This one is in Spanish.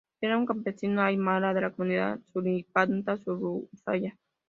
Era un campesino aymara, de la Comunidad Suripanta-Surusaya.